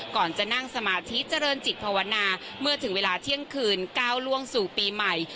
ก่อนจะนั่งสมาธิเจริญจิตภาวนาเมื่อถึงเวลาเที่ยงคืนก้าวล่วงสู่ปีใหม่